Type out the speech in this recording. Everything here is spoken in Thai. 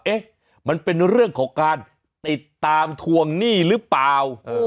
เอ๊ะมันเป็นเรื่องของการติดตามทวงหนี้หรือเปล่า